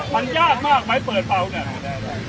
มันยากมากไหมเปิดเบาเนี่ย